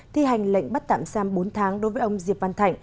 thi hành lệnh bắt tạm giam bốn tháng đối với ông diệp văn thạnh